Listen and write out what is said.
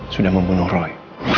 sudah membunuh roy